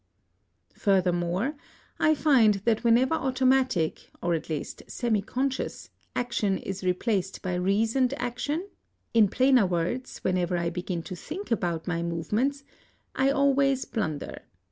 Furthermore, I find that whenever automatic, or at least semi conscious, action is replaced by reasoned action in plainer words, whenever I begin to think about my movements I always blunder.